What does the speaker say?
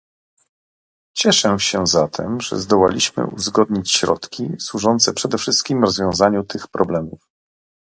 Cieszę się zatem, że zdołaliśmy uzgodnić środki służące przede wszystkim rozwiązaniu tych problemów